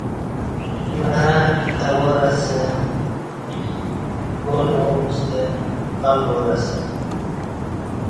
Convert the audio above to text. مرں اہ وار اسہ گال وابوستہ الوار اسہ